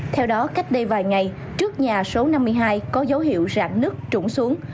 theo đó cách đây vài ngày trước nhà số năm mươi hai có dấu hiệu rạng nước trụng xuống